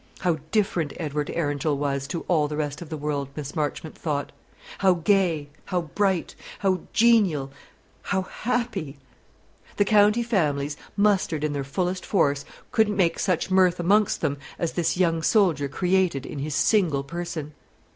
How different Edward Arundel was to all the rest of the world, Miss Marchmont thought; how gay, how bright, how genial, how happy! The county families, mustered in their fullest force, couldn't make such mirth amongst them as this young soldier created in his single person.